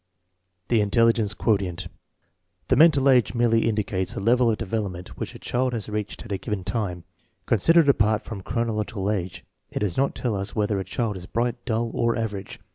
The intelligence quotient. The mental age merely indicates the level of development which a child has reached at a given time. Considered apart from chronological age it does not tell us whether a child is bright, dull, or average.